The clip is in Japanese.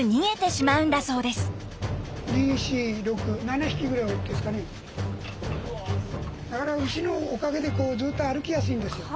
なかなか牛のおかげでこうずっと歩きやすいんですよ。